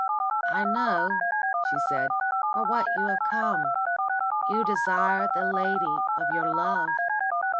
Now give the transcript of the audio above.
"I know," she said, "for what you have come. You desire the lady of your love."